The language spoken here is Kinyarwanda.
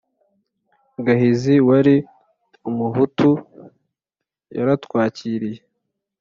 Gahizi wari Umuhutu yaratwakiriye